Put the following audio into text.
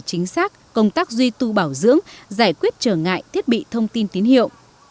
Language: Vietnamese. chính xác công tác duy tu bảo dưỡng giải quyết trở ngại thiết bị thông tin tín hiệu